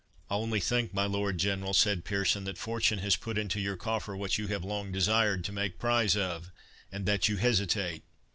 "I only think, my Lord General," said Pearson, "that Fortune has put into your coffer what you have long desired to make prize of, and that you hesitate."